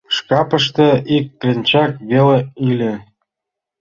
— Шкапыште ик кленчак веле ыле.